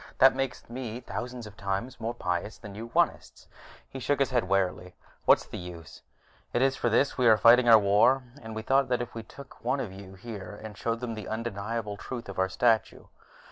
That makes me thousands of times more pious than you Onists." He shook his head wearily. "What's the use? It is for this we are fighting our war, and we thought if we took one of you here, showed him the undeniable truth of our statue....